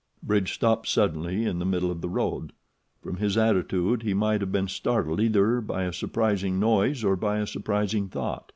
Bridge stopped suddenly in the middle of the road. From his attitude he might have been startled either by a surprising noise or by a surprising thought.